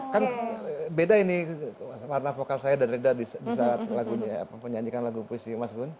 kan beda ini warna vokal saya dan reda di saat lagunya penyanyikan lagu puisi mas gun